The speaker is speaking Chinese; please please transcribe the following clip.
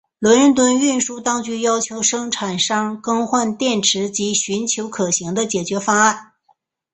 伦敦运输当局要求生产商更换电池及寻求可行的解决方案。